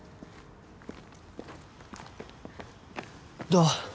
どう？